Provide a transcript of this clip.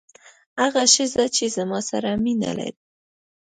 هغه ښځه چې زما سره مینه لري.